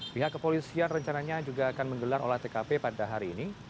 pihak kepolisian rencananya juga akan menggelar olah tkp pada hari ini